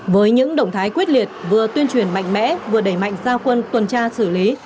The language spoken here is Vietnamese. với những động thái quyết liệt vừa tuyên truyền mạnh mẽ vừa đẩy mạnh giao quân tuần tra xử lý